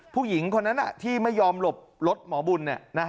ผู้หญิงคนนั้นที่ไม่ยอมหลบรถหมอบุญ